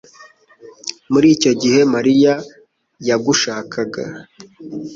Muri icyo gihe, Mariya yagushakaga.